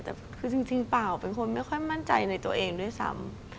แต่คือจริงเปล่าเป็นคนไม่ค่อยมั่นใจในตัวเองด้วยซ้ำ